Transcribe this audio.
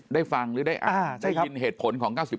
ได้ฟังหรือได้ยินเหตุผลของ๙๙